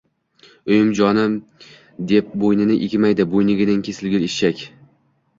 Uyim-joyim deb bo‘yini egmaydi, bo‘yniginang kesilgur, eshshak!